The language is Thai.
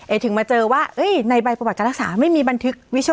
เอกถึงมาเจอว่าเอ้ยในใบประวัติการรักษาไม่มีบันทึก